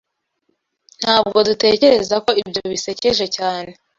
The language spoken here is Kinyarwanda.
Ntabwo dutekereza ko ibyo bisekeje cyane.